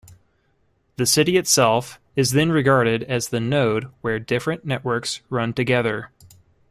The city itself is then regarded as the node where different networks run together.